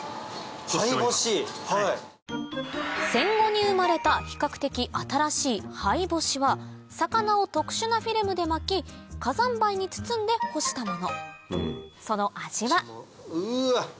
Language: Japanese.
戦後に生まれた比較的新しい灰干しは魚を特殊なフィルムで巻き火山灰に包んで干したものその味はうわ！